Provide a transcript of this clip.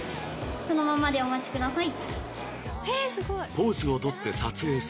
そのままでお待ちください。